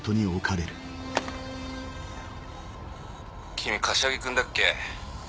君柏木君だっけ？